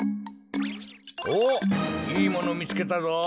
おっいいものみつけたぞ。